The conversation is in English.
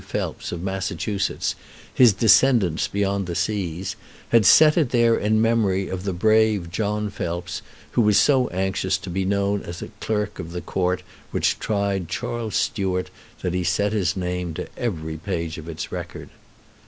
Phelps, of Massachusetts, his descendants beyond the seas," had set it there in memory of the brave John Phelps, who was so anxious to be known as clerk of the court which tried Charles Stuart that he set his name to every page of its record.